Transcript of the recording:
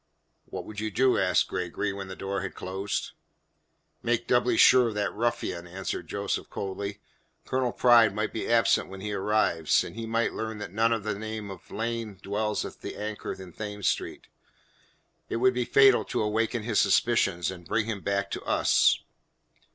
"What would you do?" asked Gregory when the door had closed. "Make doubly sure of that ruffian," answered Joseph coldly. "Colonel Pride might be absent when he arrives, and he might learn that none of the name of Lane dwells at the Anchor in Thames Street. It would be fatal to awaken his suspicions and bring him back to us."